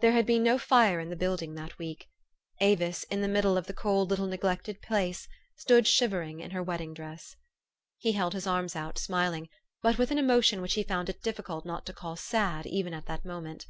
There had been no fire in the building that week. Avis, in the middle of the cold little neglected place, stood shivering in her wed ding dress. He held his arms out, smih'ng, but with an emo tion which he found it difficult not to call sad even at that moment.